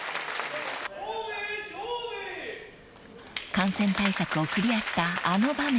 ［感染対策をクリアしたあの場面］